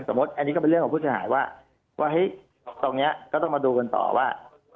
สมมุติอันนี้ก็เป็นเรื่องของผู้ชายว่าตรงนี้ก็ต้องมาดูกันต่อว่า